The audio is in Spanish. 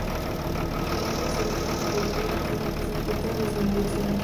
Su nombre se origina por el Río Quino que se encuentra en sus inmediaciones.